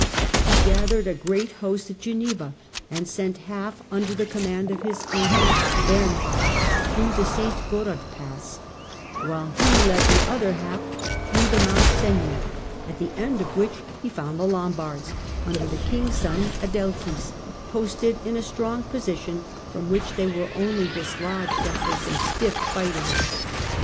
He gathered a great host at Geneva, and sent half, under the com mand of his uncle Bernhard, through the St. Gothard Pass, while he led the other half through the Mount Cenis, at the end of which he found the Lombards, under the king's son Adelchis, posted in a strong posi tion, from which they were only dislodged after some stiff fighting.